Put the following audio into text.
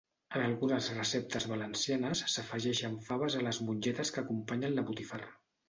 En algunes receptes valencianes s'afegeixen faves a les mongetes que acompanyen la botifarra.